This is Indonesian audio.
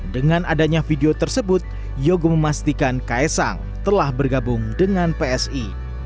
dengan adanya video tersebut yogo memastikan kaisang telah bergabung dengan psi